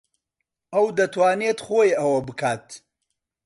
ئەو دەتوانێت خۆی ئەوە بکات.